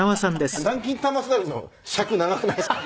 南京玉すだれの尺長くないですか？